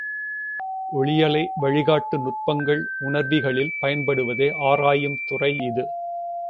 ஒளியலை வழிகாட்டு நுட்பங்கள் உணர்விகளில் பயன்படுவதை ஆராயுந் துறை இது.